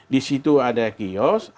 di situ ada kiosk